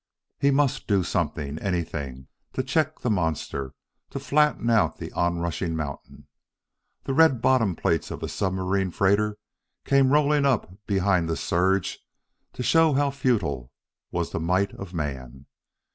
He must do something anything! to check the monster, to flatten out the onrushing mountain! The red bottom plates of a submarine freighter came rolling up behind the surge to show how futile was the might of man.